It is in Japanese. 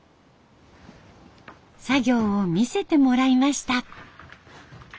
作業を見せてもらいました。